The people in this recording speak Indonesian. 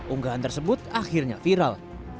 unggahan tersebut akhirnya viral